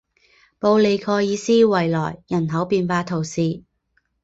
布利盖尔斯维莱人口变化图示